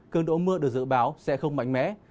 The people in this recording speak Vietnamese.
cường độ mưa đầy cao nắng nóng tạm dịu dần